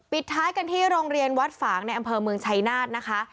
ท้ายกันที่โรงเรียนวัดฝางในอำเภอเมืองชัยนาธนะคะ